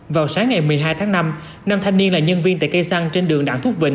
vào sáng ngày một mươi hai tháng năm năm thanh niên là nhân viên tại cây xăng trên đường đảng thuốc vịnh